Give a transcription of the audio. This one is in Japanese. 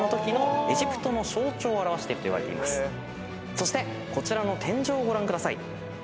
そしてこちらの天井をご覧ください。